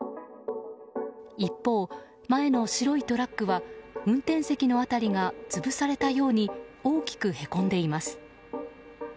一方、前の白いトラックは運転席の辺りが潰されたように大きくへこんでいます。